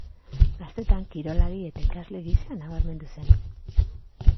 Gaztetan kirolari eta ikasle gisa nabarmendu zen.